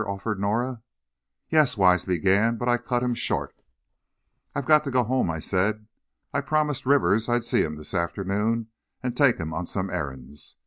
offered Norah. "Yes," Wise began, but I cut him short. "I've got to go home," I said. "I promised Rivers I'd see him this afternoon, and take him on some errands.